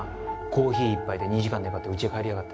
コーヒー１杯で２時間粘って家へ帰りやがった。